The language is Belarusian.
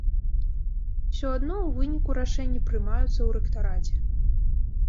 Усё адно ў выніку рашэнні прымаюцца ў рэктараце.